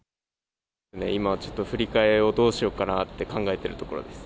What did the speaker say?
今ちょっと、振り替えをどうしようかなと考えてるところです。